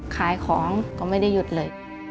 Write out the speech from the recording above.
ขายของก็ไม่ได้หยุดเลย